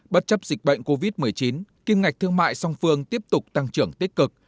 bất chấp dịch bệnh covid một mươi chín kim ngạch thương mại song phương tiếp tục tăng trưởng tích cực